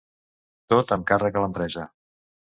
Tot amb càrrec a l’empresa.